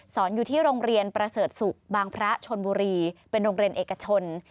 อยู่ที่โรงเรียนประเสริฐศุกร์บางพระชนบุรีเป็นโรงเรียนเอกชน